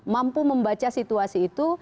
mampu membaca situasi itu